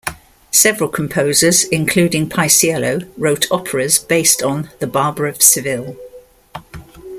Several composers including Paisiello wrote operas based on "The Barber of Seville".